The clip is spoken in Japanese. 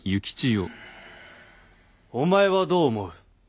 お前はどう思う？